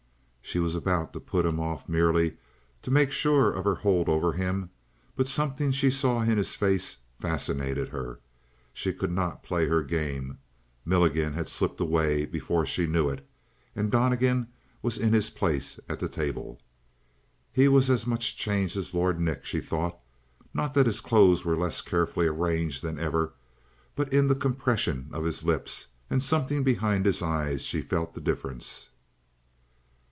She was about to put him off merely to make sure of her hold over him, but something she saw in his face fascinated her. She could not play her game. Milligan had slipped away before she knew it, and Donnegan was in his place at the table. He was as much changed as Lord Nick, she thought. Not that his clothes were less carefully arranged than ever, but in the compression of his lips and something behind his eyes she felt the difference.